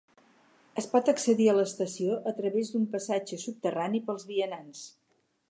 Es pot accedir a l'estació a través d'un passatge subterrani pels vianants.